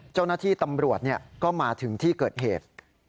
เจ้าหน้าที่ตำรวจก็มาถึงที่เกิดเหตุ